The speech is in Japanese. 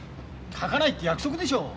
書かないって約束でしょう。